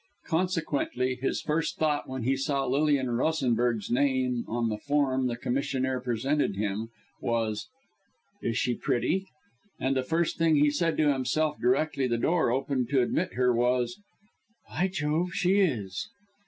Consequently, his first thought, when he saw Lilian Rosenberg's name on the form the commissionaire presented him, was "Is she pretty?" And the first thing he said to himself directly the door opened to admit her was, "By Jove! she is."